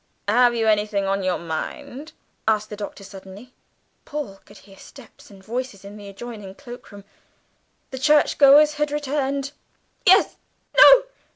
"Have you anything on your mind?" asked the Doctor suddenly. Paul could hear steps and voices in the adjoining cloakroom the churchgoers had returned. "Yes no!"